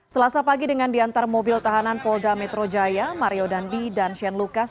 selasa pagi dengan diantar mobil tahanan polda metro jaya mario dandi dan shane lucas